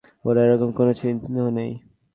ওর এরকম কোনও চিহ্ন নেই!